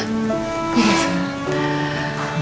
kita sudah pernah jumpa